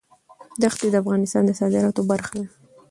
ښتې د افغانستان د صادراتو برخه ده.